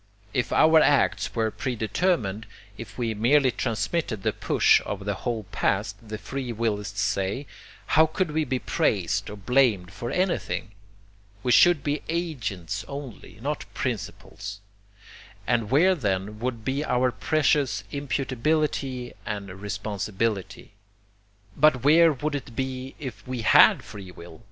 If our acts were predetermined, if we merely transmitted the push of the whole past, the free willists say, how could we be praised or blamed for anything? We should be 'agents' only, not 'principals,' and where then would be our precious imputability and responsibility? But where would it be if we HAD free will?